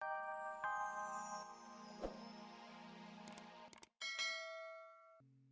sampai jumpa lagi